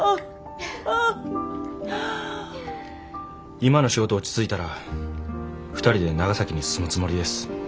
今の仕事落ち着いたら２人で長崎に住むつもりです。